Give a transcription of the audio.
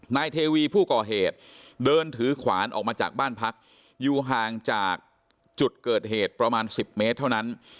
นายเทวีผู้ก่อเหตุเดินถือขวานออกมาจากบ้านพักอยู่ห่างจากจุดเกิดเหตุประมาณ๑๐เมตรเท่านั้น